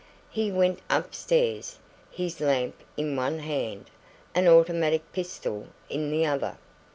He went upstairs, his lamp in one hand, an automatic pistol in the other.